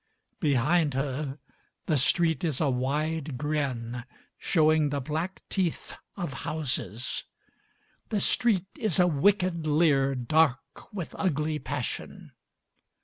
Behind her the street is a wide grin, showing the black teeth of houses â The street is a wicked leer dark with ugly passion.